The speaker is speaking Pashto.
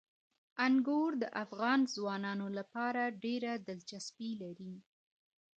انګور د افغان ځوانانو لپاره ډېره دلچسپي لري.